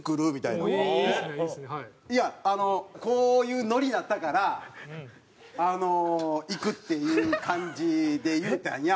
「いやあのこういうノリだったからあの行くっていう感じで言うたんや」。